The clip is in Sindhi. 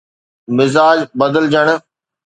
مزاج بدلجڻ